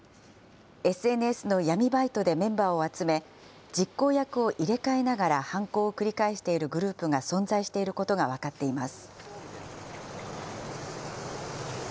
ＳＮＳの闇バイトでメンバーを集め、実行役を入れ替えながら犯行を繰り返しているグループが存在していることが分かっています。